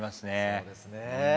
そうですね。